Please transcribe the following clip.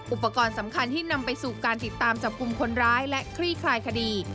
อุปกรณ์สำคัญที่นำไปสู่การติดตามจับกลุ่มคนร้ายและคลี่คลายคดี